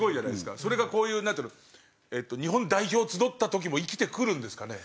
それがこういうなんていうの日本代表集った時も生きてくるんですかね？